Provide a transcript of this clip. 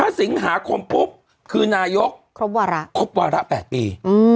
ถ้าสิงหาคมปุ๊บคือนายกครบวาระ๘ปี